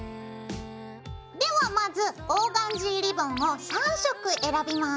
ではまずオーガンジーリボンを３色選びます。